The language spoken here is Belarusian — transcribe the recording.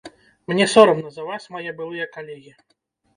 Мне сорамна за вас, мае былыя калегі.